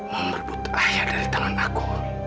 mau merebut ayah dari tangan aku